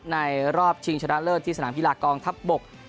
รอบชิงชนะเลิศที่สนามกีฬากองทัพบก